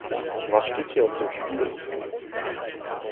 Was steht hier auf dem Spiel?